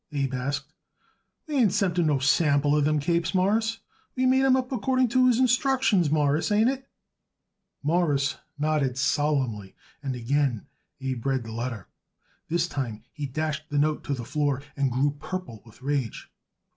Abe asked. "We ain't sent him no sample of them capes, Mawruss. We made 'em up according to his instructions, Mawruss. Ain't it?" Morris nodded solemnly and again Abe read the letter. This time he dashed the note to the floor and grew purple with rage.